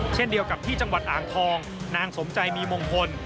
เช่นเดียวกับที่จังหวัดอ่างทองนางสมใจมีมงคล